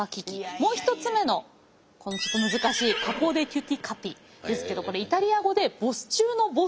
もう一つ目のちょっと難しいカポデテュティカピですけどこれイタリア語でボス中のボス。